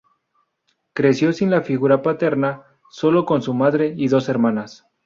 Creció sin la figura paterna, solo con su madre y dos hermanas.